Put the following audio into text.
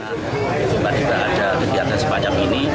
tiba tiba ada kegiatan sepanjang ini